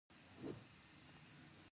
کالтура باید معرفي شي